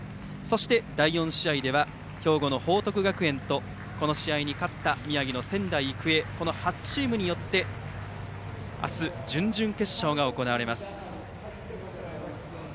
そして第４試合では兵庫の報徳学園とこの試合に勝った宮城の仙台育英この８チームによって明日、準々決勝が行われます。